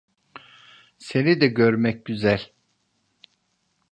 Seni de görmek güzel.